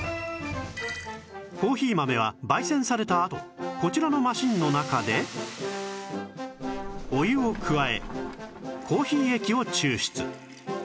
コーヒー豆は焙煎されたあとこちらのマシンの中でお湯を加えコーヒー液を抽出